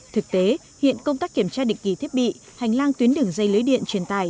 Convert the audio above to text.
thực tế hiện công tác kiểm tra định kỳ thiết bị hành lang tuyến đường dây lưới điện truyền tài